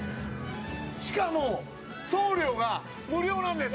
しかも送料が無料なんです。